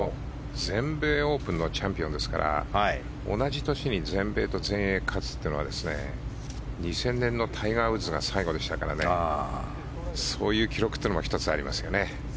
全米オープンのチャンピオンですから同じ年に全米と全英勝つというのは２０００年のタイガー・ウッズが最後でしたからそういう記録っていうのも１つ、ありますよね。